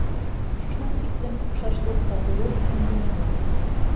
Шул тиклем оҡшашлыҡ та булыр икән донъяла!